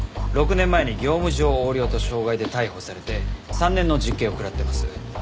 ６年前に業務上横領と傷害で逮捕されて３年の実刑を食らってます。